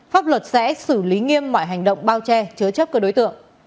pháp luật sẽ xử lý nghiêm mọi hành động bao che chứa chấp các đối tượng